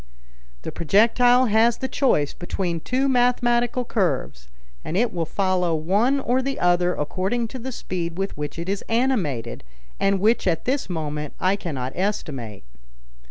"The projectile has the choice between two mathematical curves, and it will follow one or the other according to the speed with which it is animated, and which at this moment I cannot estimate."